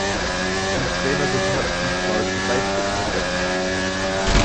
Die Trainerin hat diesmal die Leibchen vergessen.